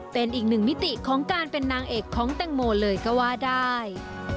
เป็นอีกหนึ่งมิติของการเป็นนางเอกของแตงโมเลยก็ว่าได้